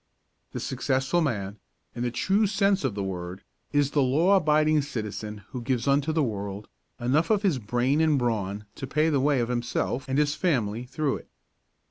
The successful man, in the true sense of the word, is the law abiding citizen who gives unto the world enough of his brain and brawn to pay the way of himself and his family through it.